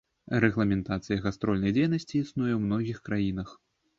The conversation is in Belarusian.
Рэгламентацыя гастрольнай дзейнасці існуе ў многіх краінах.